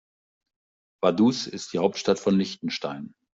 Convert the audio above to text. Vaduz ist die Hauptstadt von Liechtenstein.